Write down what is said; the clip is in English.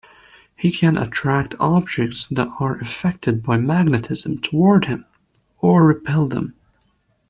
He can attract objects that are affected by magnetism toward him or repel them.